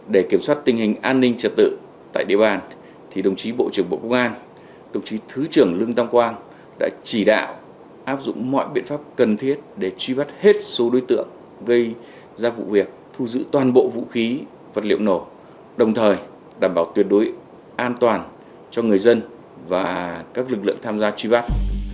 để kiểm soát tình hình an ninh trật tự tại địa bàn thì đồng chí bộ trưởng bộ công an đồng chí thứ trưởng lương tâm quang đã chỉ đạo áp dụng mọi biện pháp cần thiết để truy bắt hết số đối tượng gây ra vụ việc thu giữ toàn bộ vũ khí vật liệu nổ đồng thời đảm bảo tuyệt đối an toàn cho người dân và các lực lượng tham gia truy bắt